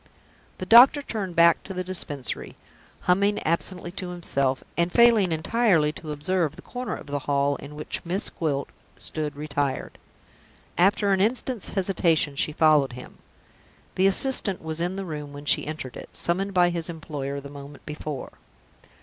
The doctor turned back to the Dispensary, humming absently to himself, and failing entirely to observe the corner of the hall in which Miss Gwilt stood retired. After an instant's hesitation, she followed him. The assistant was in the room when she entered it summoned by his employer the moment before.